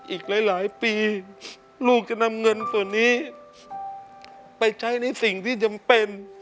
อีกหลายปีลูกจะนำเงินส่วนนี้ไปใช้ในสิ่งที่จำเป็น